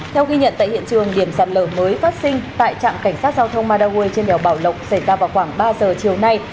theo ghi nhận tại hiện trường điểm sạt lở mới phát sinh tại trạm cảnh sát giao thông madaway trên đèo bảo lộc xảy ra vào khoảng ba giờ chiều nay